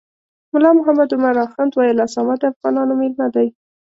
ملا محمد عمر اخند ویل اسامه د افغانانو میلمه دی.